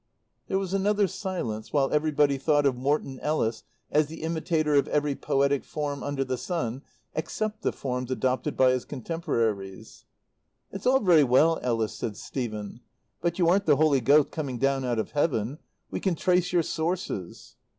There was another silence while everybody thought of Morton Ellis as the imitator of every poetic form under the sun except the forms adopted by his contemporaries. "That's all very well, Ellis," said Stephen, "but you aren't the Holy Ghost coming down out of heaven. We can trace your sources."